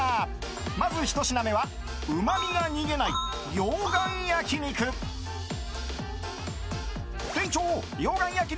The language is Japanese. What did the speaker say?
まず、ひと品目はうまみが逃げない溶岩焼肉。